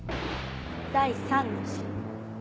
第三の詩。